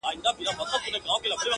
یا دي کډه له خپل کوره بارومه,